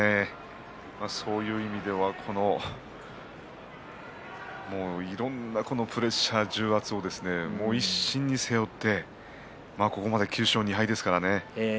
そういう意味ではいろんなプレッシャー、重圧を一身に背負ってここまで９勝２敗ですからね。